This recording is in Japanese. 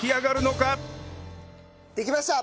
できました！